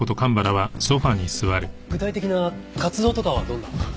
具体的な活動とかはどんな？